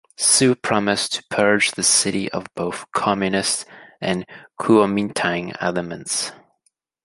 Su promised to purge the city of both communist and Kuomintang elements.